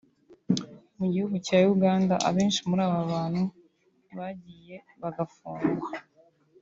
mu gihugu cya Uganda abenshi muri aba bantu bagiye bagafungwa